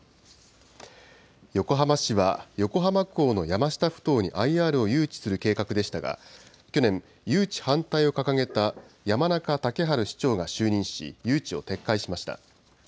横浜市は横浜港の山下ふ頭にＩＲを誘致する計画でしたが、去年、誘致反対を掲げた山中竹春市長が就任し、誘致を撤回しました。